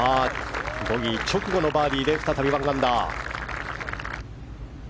ボギー直後のバーディーで再び１アンダー。